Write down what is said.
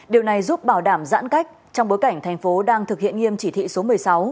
điều này giúp bảo đảm giãn cách trong bối cảnh thành phố đang thực hiện nghiêm chỉ thị số một mươi sáu